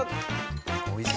おいしい！